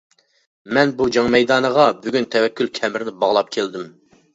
مەن بۇ جەڭ مەيدانىغا بۈگۈن تەۋەككۈل كەمىرىنى باغلاپ كەلدىم.